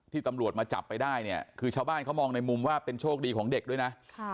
ตำรวจมาจับไปได้เนี่ยคือชาวบ้านเขามองในมุมว่าเป็นโชคดีของเด็กด้วยนะ